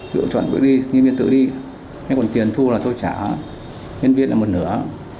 chịu chọn cũng đi nhân viên tự đi còn tiền thu là tôi trả nhân viên là một nửa